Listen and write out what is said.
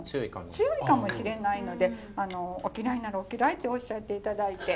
強いかもしれないのでお嫌いならお嫌いっておっしゃって頂いて。